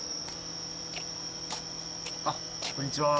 あっこんにちは。